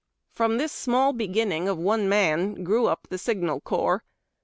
From this small beginning of one man grew up the Signal Corps.